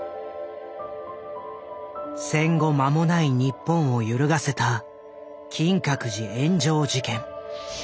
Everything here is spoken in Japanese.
戦後まもない日本を揺るがせた金閣寺炎上事件。